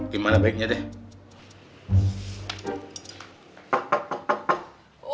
gimana berarti kita bisa menangkap dia